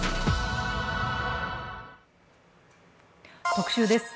特集です。